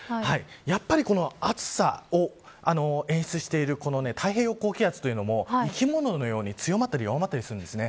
やっぱりこの暑さを演出している、太平洋高気圧というのも生き物のように強まったり弱まったりするんです。